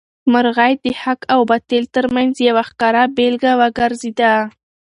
مرغۍ د حق او باطل تر منځ یو ښکاره بېلګه وګرځېده.